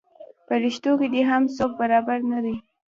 پریشتو کې دې هم برابر څوک نه دی.